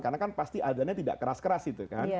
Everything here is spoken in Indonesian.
karena kan pasti azannya tidak keras keras itu kan